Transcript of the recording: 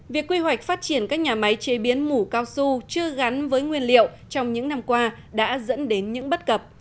việc quy hoạch phát triển các nhà máy chế biến mủ cao su chưa gắn với nguyên liệu trong những năm qua đã dẫn đến những bất cập